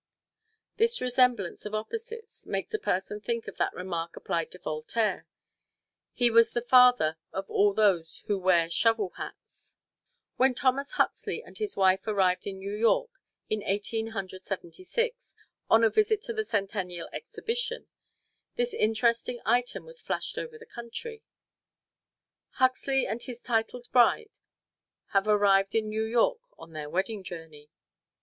This resemblance of opposites makes a person think of that remark applied to Voltaire. "He was the father of all those who wear shovel hats." When Thomas Huxley and his wife arrived in New York in Eighteen Hundred Seventy six, on a visit to the Centennial Exhibition, this interesting item was flashed over the country, "Huxley and his titled bride have arrived in New York on their wedding journey."